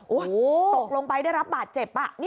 โอ้โหตกลงไปได้รับบาดเจ็บ